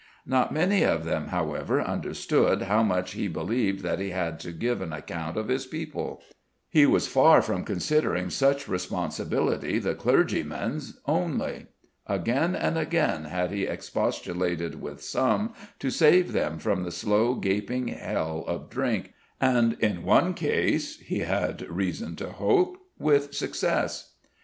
Not many of them, however, understood how much he believed that he had to give an account of his people. He was far from considering such responsibility the clergyman's only. Again and again had he expostulated with some, to save them from the slow gaping hell of drink, and in one case, he had reason to hope, with success.